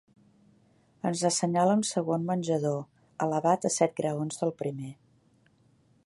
Ens assenyala un segon menjador, elevat a set graons del primer.